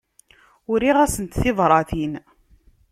Uriɣ-asent tibratin.